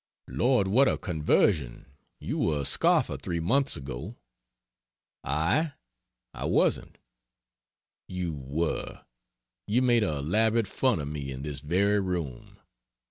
"Lord, what a conversion! You were a scoffer three months ago." "I? I wasn't." "You were. You made elaborate fun of me in this very room."